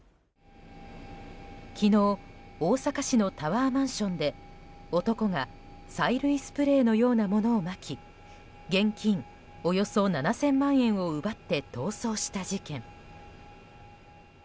昨日、大阪市のタワーマンションで男が催涙スプレーのようなものをまき現金およそ７０００万円を奪って逃走した事件。